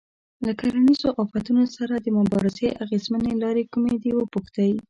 له کرنیزو آفتونو سره د مبارزې اغېزمنې لارې کومې دي وپوښتئ.